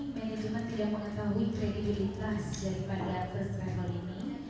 manajemen tidak mengetahui kredibilitas dari pandangan first travel ini